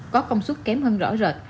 có công suất kém hơn rõ rệt